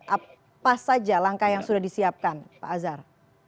apa saja langkah yang sudah disiapkan pak azhar